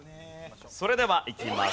それではいきます。